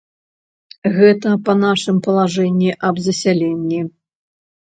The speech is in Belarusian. Гэта па нашым палажэнні аб засяленні.